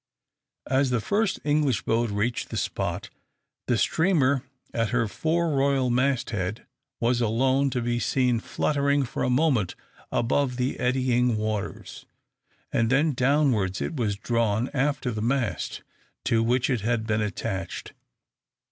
As the first English boat reached the spot, the streamer at her fore royal mast head was alone to be seen fluttering for a moment above the eddying waters, and then downwards it was drawn after the mast to which it had been attached.